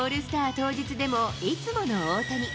当日でも、いつもの大谷。